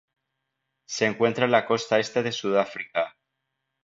Se encuentra en la costa este de Sudáfrica.